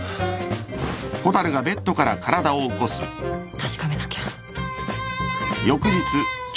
確かめなきゃ。